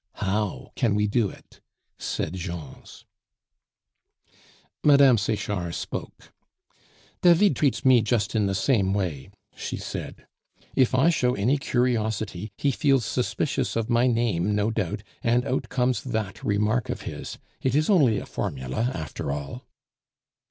"How can we do it?" said Jean's. Mme. Sechard spoke. "David treats me just in the same way," she said. "If I show any curiosity, he feels suspicious of my name, no doubt, and out comes that remark of his; it is only a formula, after all."